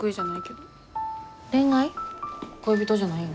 恋人じゃないん？